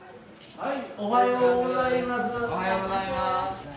はい。